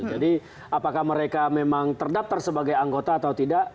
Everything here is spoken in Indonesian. jadi apakah mereka memang terdaftar sebagai anggota atau tidak